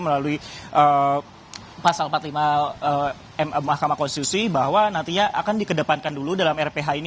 melalui pasal empat puluh lima mahkamah konstitusi bahwa nantinya akan dikedepankan dulu dalam rph ini